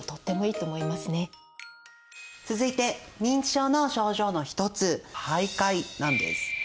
続いて認知症の症状の一つ徘徊なんです。